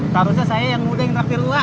seharusnya saya yang muda yang traktir wak